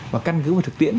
và căn cứ vào thực tiễn